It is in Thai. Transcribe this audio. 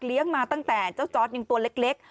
เลี้ยงมาตั้งแต่เจ้าจ๊อตอย่างตัวเล็ก